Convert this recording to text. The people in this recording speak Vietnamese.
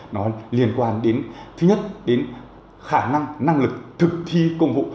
nó liên quan đến thứ nhất đến khả năng năng lực thực thi công vụ